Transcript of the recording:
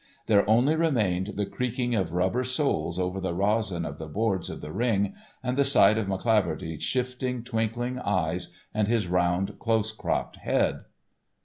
There only remained the creaking of rubber soles over the resin of the boards of the ring and the sight of McCleaverty's shifting, twinkling eyes and his round, close cropped head.